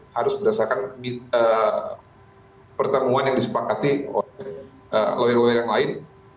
harus berdasarkan pertemuan yang disepakati oleh loyol yang lain